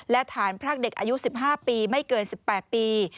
และฐานพรากเด็กอายุ๑๕ปีไม่เกิน๑๘ปี